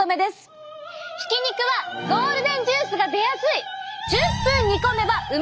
ひき肉はゴールデンジュースが出やすい！